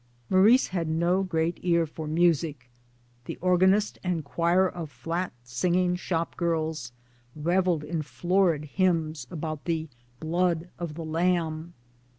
Maurice had no great ear for music. The organist and choir of flat singing shop girls revelled in florid! hymns about the " blood of the Lamb.'